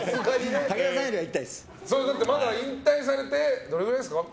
引退されてどれぐらいですか？